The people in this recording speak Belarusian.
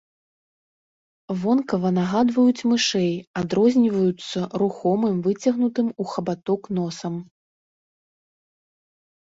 Вонкава нагадваюць мышэй, адрозніваюцца рухомым, выцягнутым у хабаток носам.